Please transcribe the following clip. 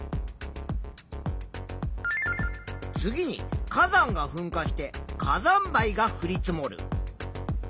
次に火山がふんかして火山灰がふり積もる。